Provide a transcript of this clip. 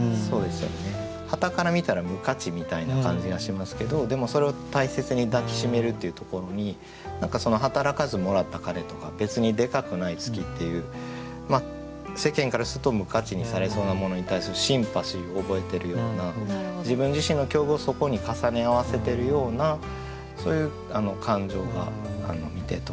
はたから見たら無価値みたいな感じがしますけどでもそれを大切に抱き締めるっていうところに「働かずもらった金」とか「別にデカくない月」っていう世間からすると無価値にされそうなものに対するシンパシーを覚えてるような自分自身の境遇をそこに重ね合わせてるようなそういう感情が見てとれて。